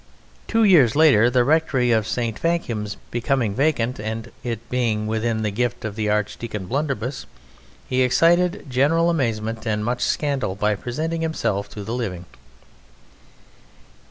Two years later the rectory of St. Vacuums becoming vacant and it being within the gift of Archdeacon Blunderbuss, he excited general amazement and much scandal by presenting himself to the living."